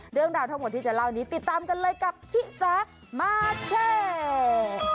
เรื่องราวทั้งหมดที่จะเล่านี้ติดตามกันเลยกับชิสามาแชร์